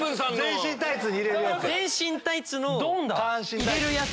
全身タイツに入れるやつ？